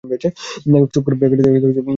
চুপ কর সবাই।